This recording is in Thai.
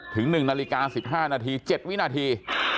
ถึง๑นาฬิกา๑๕นาที๗วินาที